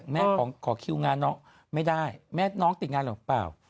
ขอคิวงานน้องไม่ได้แม่น้องติดงานหรือเปล่า